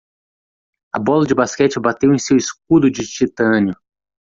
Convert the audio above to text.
A bola de basquete bateu em seu escudo de titânio.